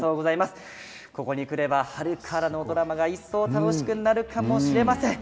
ここに来れば春からのドラマが一層、楽しくなるかもしれません。